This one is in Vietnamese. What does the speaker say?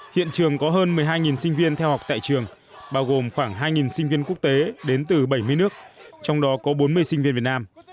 hiện trường có hơn một mươi hai sinh viên theo học tại trường bao gồm khoảng hai sinh viên quốc tế đến từ bảy mươi nước trong đó có bốn mươi sinh viên việt nam